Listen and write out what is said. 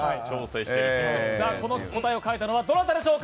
この答えを書いたのはどなたでしょうか？